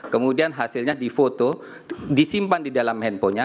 kemudian hasilnya di foto disimpan di dalam handphonenya